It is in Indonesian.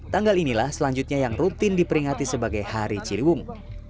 tanggal inilah selanjutnya yang rutin diperingati sebagai hari ciliwung